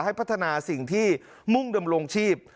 พัฒนาสิ่งที่มุ่งดำรงชีพ